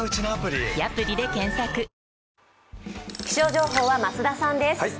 気象情報は増田さんです。